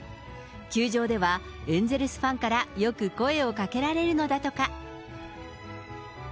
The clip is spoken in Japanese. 球場では、エンゼルスファンからよく声をかけられるのだとか。